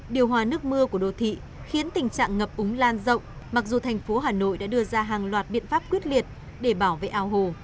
điều hòa nước mưa của đô thị khiến tình trạng ngập úng lan rộng mặc dù thành phố hà nội đã đưa ra hàng loạt biện pháp quyết liệt để bảo vệ ao hồ